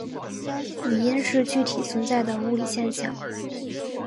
语音是具体存在的物理现象。